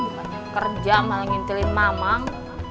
bukan yang kerja malah ngintelin mamang